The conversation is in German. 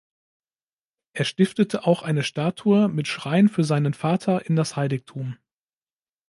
Er stiftete auch eine Statue mit Schrein für seinen Vater in das Heiligtum.